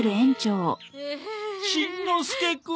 しんのすけくん。